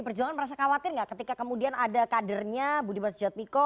bd perjuangan merasa khawatir gak ketika kemudian ada kadernya budiman sujatmiko